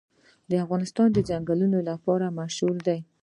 افغانستان د ځنګلونه لپاره مشهور دی.